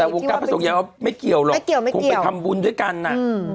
แต่วงการพระสงฆ์ยังไม่เกี่ยวหรอกคงไปทำบุญด้วยกันอ่ะอืม